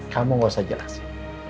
kamu gak usah jelasin